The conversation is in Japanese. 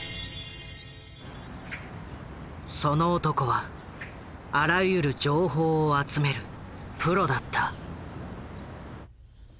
その男はあらゆる情報を集めるプロだった。